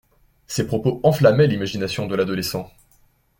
Ces propos enflammaient l'imagination de l'adolescent.